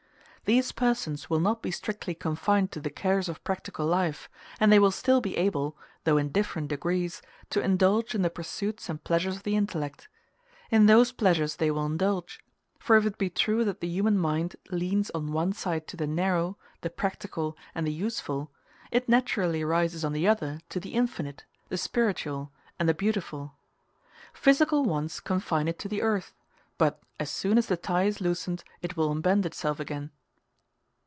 These persons will not be strictly confined to the cares of practical life, and they will still be able, though in different degrees, to indulge in the pursuits and pleasures of the intellect. In those pleasures they will indulge; for if it be true that the human mind leans on one side to the narrow, the practical, and the useful, it naturally rises on the other to the infinite, the spiritual, and the beautiful. Physical wants confine it to the earth; but, as soon as the tie is loosened, it will unbend itself again.